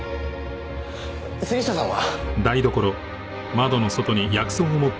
杉下さんは？